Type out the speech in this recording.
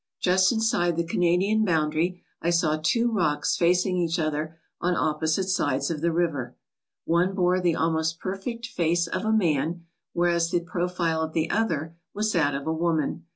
Just inside the Canadian boundary I saw two rocks facing each other on opposite sides of the river. One bore the almost perfect face of a man, whereas the profile of the other was that of a woman.